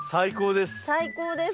最高です。